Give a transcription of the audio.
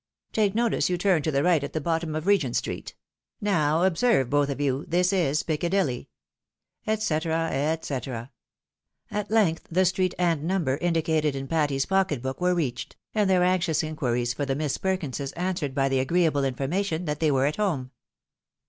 " Take notice you turn to the right at the bottom of Regent street." —" Now observe both of you, this is Piccadilly," et cetera, et csetera. At length the street and the number indicated in Patty's pocket book were reached, and their anxious inquiries for the Miss Perkinses answered by the agreeable information that they were at home.